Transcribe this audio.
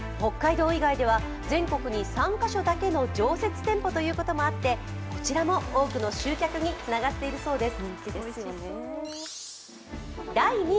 北海道以外では全国に３カ所だけの常設店舗ということもあってこちらも多くの集客につながっているそうです。